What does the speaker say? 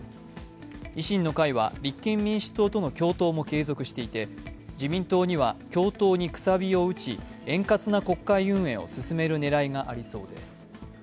維新の会は立憲民主党との共闘も継続していて自民党は共闘にくさびを打ち円滑な国会運営を狙いがありそうです。